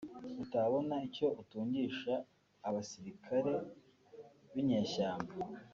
utabona icyo utungisha abasilikare b’inyeshyamba